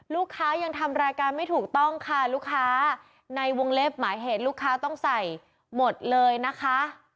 ลูกค้ายังทำรายการไม่ถูกต้องค่ะลูกค้าในวงเล็บหมายเหตุลูกค้าต้องใส่หมดเลยนะคะ